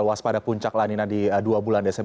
ya selamat malam